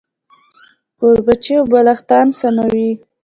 کوربچې او بالښتان سموي.